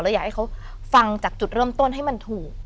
อยากให้เขาฟังจากจุดเริ่มต้นให้มันถูก